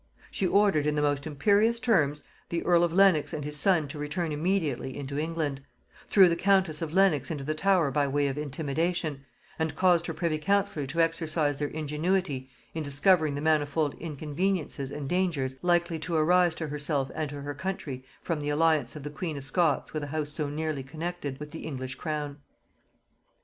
She ordered, in the most imperious terms, the earl of Lenox and his son to return immediately into England; threw the countess of Lenox into the Tower by way of intimidation; and caused her privy council to exercise their ingenuity in discovering the manifold inconveniences and dangers likely to arise to herself and to her country from the alliance of the queen of Scots with a house so nearly connected with the English crown.